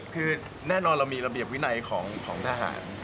คือแน่นอนเรามีระเบียบวินัยของทหาร